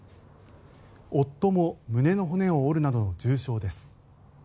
夫も胸の骨を折るなどの重傷です。